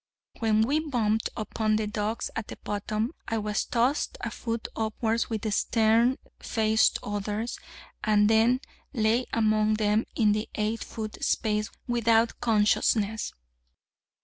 When we bumped upon the 'dogs' at the bottom, I was tossed a foot upwards with the stern faced others, and then lay among them in the eight foot space without consciousness.